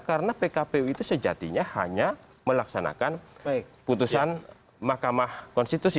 karena pkpu itu sejatinya hanya melaksanakan putusan mahkamah konstitusi